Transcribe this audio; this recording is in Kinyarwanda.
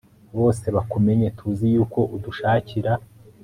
bose bakumenye. tuzi y'uko udushakira